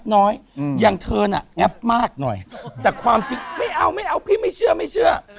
น้อยอืมอย่างเธอน่ะแง๊บมากหน่อยแต่ความจริงไม่เอาไม่เอาพี่ไม่เชื่อไม่เชื่อ